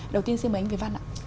đầu tiên xin mời anh việt văn ạ